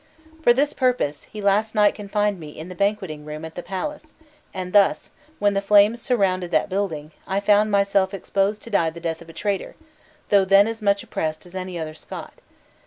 "For this purpose, he last night confined me in the banqueting room at the palace, and thus, when the flames surrounded that building, I found myself exposed to die the death of a traitor, though then as much oppressed as any other Scot.